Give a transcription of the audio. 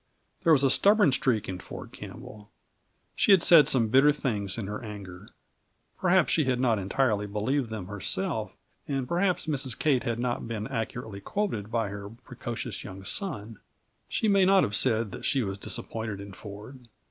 There was a stubborn streak in Ford Campbell. She had said some bitter things, in her anger. Perhaps she had not entirely believed them herself, and perhaps Mrs. Kate had not been accurately quoted by her precocious young son; she may not have said that she was disappointed in Ford.